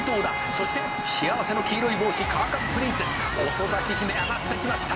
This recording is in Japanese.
「そして幸せの黄色い帽子カワカミプリンセス」「遅咲き姫上がってきました」